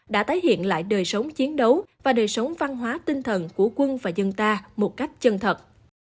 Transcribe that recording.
đã tái hiện lại đời sống chiến đấu và đời sống văn hóa tinh thần của quân và dân ta một cách chân thật